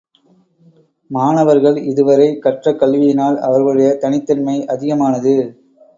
மாணவர்கள் இதுவரை கற்றக் கல்வியினால் அவர்களுடைய தனித் தன்மை அதிகமானது.